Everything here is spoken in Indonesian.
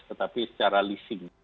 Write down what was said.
tetapi secara leasing